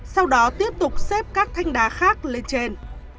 sau đó tiếp tục xếp các thanh đá khác lên trên